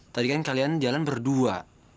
tadi kan kalian jalan berdua